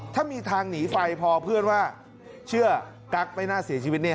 ถ้ามีทางหนีไฟพอเพื่อนว่าเชื่อกั๊กไม่น่าเสียชีวิตเนี่ย